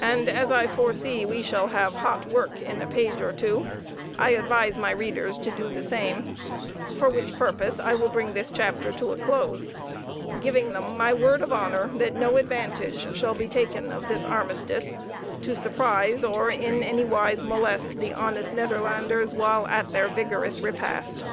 And as I foresee we shall have hot work in a page or two, I advise my readers to do the same, for which purpose I will bring this chapter to a close; giving them my word of honor that no advantage shall be taken of this armistice to surprise, or in anywise molest the honest Nederlanders while at their vigorous repast.